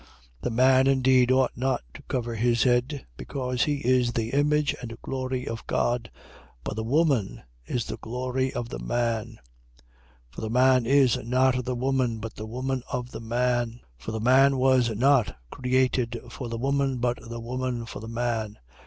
11:7. The man indeed ought not to cover his head: because he is the image and glory of God. But the woman is the glory of the man. 11:8. For the man is not of the woman: but the woman of the man. 11:9. For the man was not created for the woman: but the woman for the man.